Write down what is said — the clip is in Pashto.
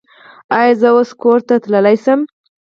ایا زه اوس کور ته تلی شم؟